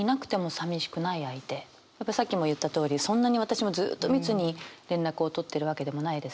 やっぱさっきも言ったとおりそんなに私もずっと密に連絡を取ってるわけでもないですし。